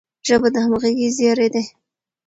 ژبه د همږغی زیری دی.